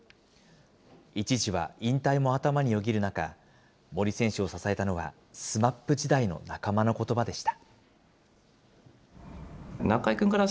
一時は引退も頭によぎる中、森選手を支えたのは、ＳＭＡＰ時代の仲間のことばでした。